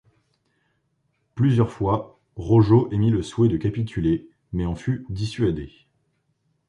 Plusieurs fois, Rojo émit le souhait de capituler, mais en fut dissuadé.